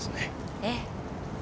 ええ。